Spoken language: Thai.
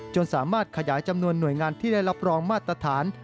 สามารถขยายจำนวนหน่วยงานที่ได้รับรองมาตรฐาน